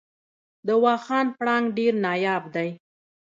د واخان پړانګ ډیر نایاب دی